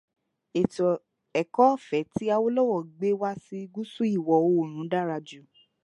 Ètò ẹ̀kọ́ ọ̀fẹ́ tí Awólọ́wọ̀ gbé wá sí gúsù ìwọ̀ oòrùn dára jù